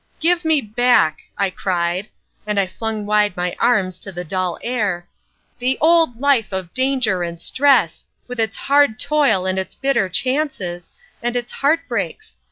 Give me back," I cried, and I flung wide my arms to the dull air, "the old life of danger and stress, with its hard toil and its bitter chances, and its heartbreaks.